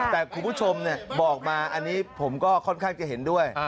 แต่คุณผู้ชมบอกมาอันนี้ผมก็ค่อนข้างจะเห็นด้วย